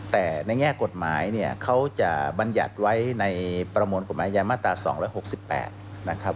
แต่ในแง่กฎหมายเขาจะบรรยัติไว้ในประมวลกฎหมายยามตรา๒๖๘